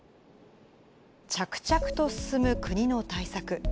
着々と進む国の対策。